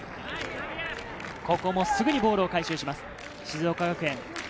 ここもすぐにボールを回収します、静岡学園。